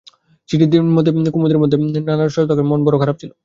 চিঠির মধ্যে ছিল– তোমাদের সম্বন্ধে নানা কথা শুনিয়া মন বড়ো খারাপ ছিল।